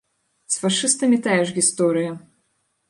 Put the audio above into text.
З фашыстамі тая ж гісторыя.